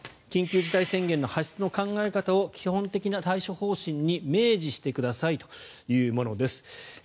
緊急事態宣言の発出の考え方を基本的対処方針に明示してくださいというものです